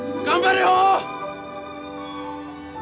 頑張れよ！